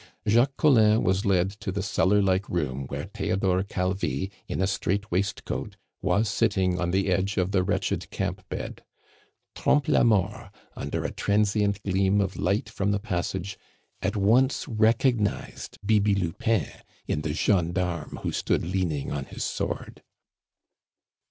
Jacques Collin was led to the cellar like room where Theodore Calvi, in a straitwaistcoat, was sitting on the edge of the wretched camp bed. Trompe la Mort, under a transient gleam of light from the passage, at once recognized Bibi Lupin in the gendarme who stood leaning on his sword.